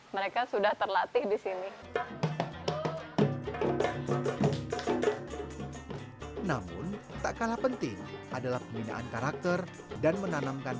mereka sudah terlatih di sini namun tak kalah penting adalah pembinaan karakter dan menanamkan